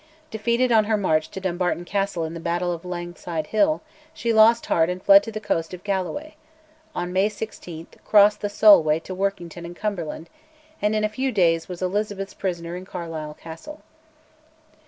Defeated on her march to Dumbarton Castle in the battle of Langside Hill, she lost heart and fled to the coast of Galloway; on May 16 crossed the Solway to Workington in Cumberland; and in a few days was Elizabeth's prisoner in Carlisle Castle.